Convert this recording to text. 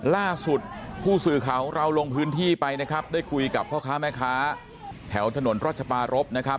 ล่าสุดผู้สื่อข่าวของเราลงพื้นที่ไปนะครับได้คุยกับพ่อค้าแม่ค้าแถวถนนรัชปารพนะครับ